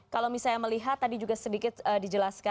kalau misalnya melihat tadi juga sedikit dijelaskan